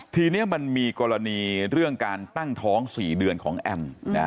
ทีนี้มันมีกรณีเรื่องการตั้งท้อง๔เดือนของแอม